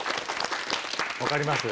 分かります？